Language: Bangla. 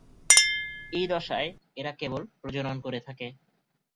এই দশায় এরা কেবল প্রজনন করে থাকে।